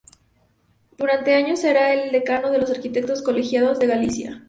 Durante años será el decano de los arquitectos colegiados de Galicia.